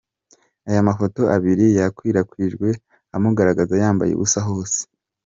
Ayo mafoto abiri yakwirakwijwe amugaragaza yambaye ubusa hose.